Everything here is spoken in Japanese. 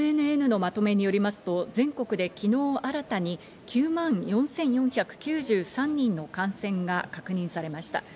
ＮＮＮのまとめによりますと、全国で昨日新たに９万４４９３人の感染が確認されました。